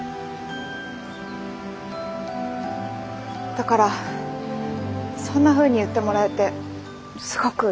だからそんなふうに言ってもらえてすごくうれしいです。